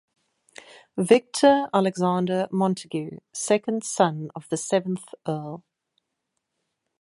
Victor Alexander Montagu, second son of the seventh Earl.